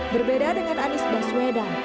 berbeda dengan anis baswedan